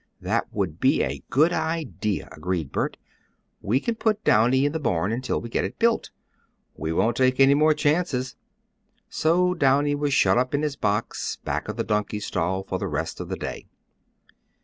"That would be a good idea," agreed Bert. "We can put Downy in the barn until we get it built. We won't take any more chances." So Downy was shut up in his box, back of the donkey stall, for the rest of the day.